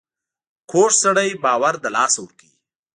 کوږ سړی باور له لاسه ورکوي